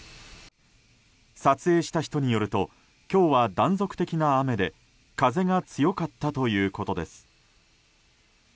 撮影した人によると今日は断続的な雨で風が強かったということです。